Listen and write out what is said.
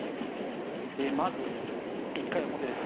まず、１回表です。